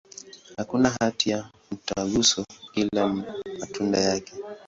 Hakuna hati za mtaguso, ila matunda yake.